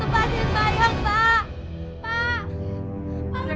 pak lepasin pak